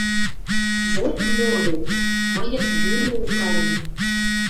Вот мо вет — мыйым юмо утарен.